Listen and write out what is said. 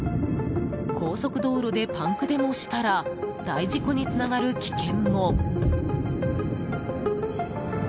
高速道路でパンクでもしたら大事故につながる危険も。